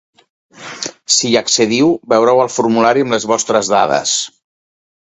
Si hi accediu, veureu el formulari amb les vostres dades.